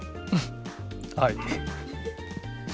はい。